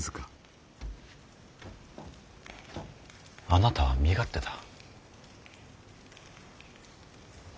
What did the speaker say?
あなたは身勝手だ。